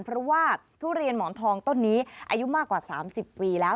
เพราะว่าทุเรียนหมอนทองต้นนี้อายุมากกว่า๓๐ปีแล้ว